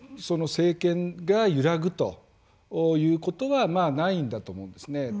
その政権が揺らぐということはないんだと思うんですね。